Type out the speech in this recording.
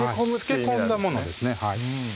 漬け込んだものですね